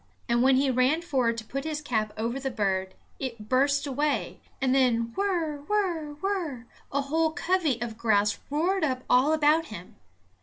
And when he ran forward to put his cap over the bird, it burst away, and then whirr! whirr! whirr! a whole covey of grouse roared up all about him.